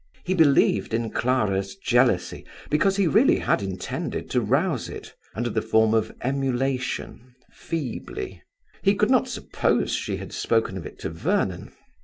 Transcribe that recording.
He believed in Clara's jealousy because he really had intended to rouse it; under the form of emulation, feebly. He could not suppose she had spoken of it to Vernon.